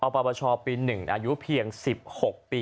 ปปชปี๑อายุเพียง๑๖ปี